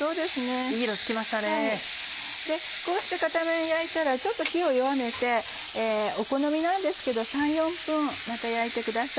こうして片面焼いたらちょっと火を弱めてお好みなんですけど３４分また焼いてください。